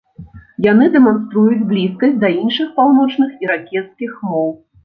Яны дэманструюць блізкасць да іншых паўночных іракезскіх моў.